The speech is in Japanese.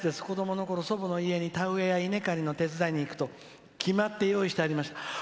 子どものころに祖母の田植えや稲刈りを手伝いに行くと決まって用意してありました」。